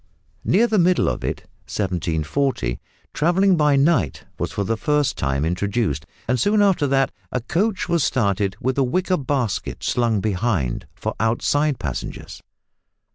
Near the middle of it (1740) travelling by night was for the first time introduced, and soon after that a coach was started with a wicker basket slung behind for outside passengers!